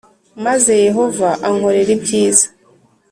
maze Yehova ankorere ibyiza